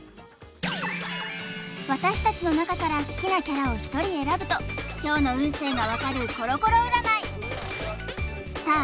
私たちの中から好きなキャラをひとり選ぶと今日の運勢が分かるコロコロ占いさあ